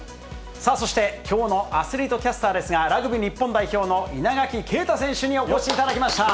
さあそして、きょうのアスリートキャスターですが、ラグビー日本代表の稲垣啓太選手にお越しいただきました。